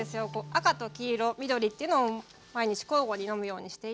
赤と黄色緑っていうのを毎日交互に飲むようにしていて。